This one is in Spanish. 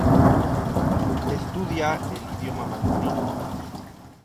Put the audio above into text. Estudia el idioma mandarín.